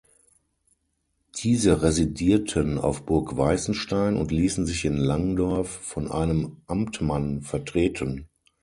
Diese residierten auf Burg Weißenstein und ließen sich in Langdorf von einem Amtmann vertreten.